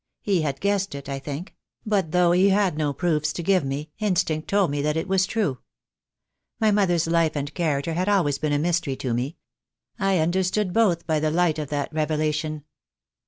He had guessed it, I think; but though he had no proofs to give me instinct told me that it was true. My mother's life and character had always been a mystery to me. I understood both by the light of that revelation."